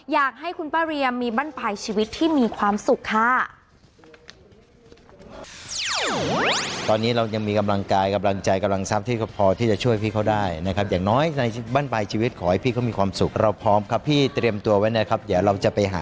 อยากให้คุณป้าเรียมีบ้านปลายชีวิตที่มีความสุขค่ะ